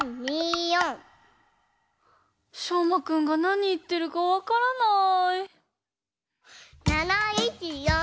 しょうまくんがなにいってるかわからない。